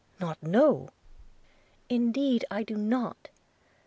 'Not know!' 'Indeed, I do not.